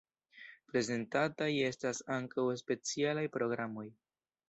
Prezentataj estas ankaŭ specialaj programoj.